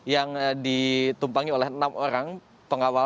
yang ditumpangi oleh enam orang pengawal